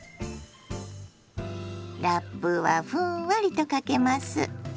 ラップはふんわりとかけます。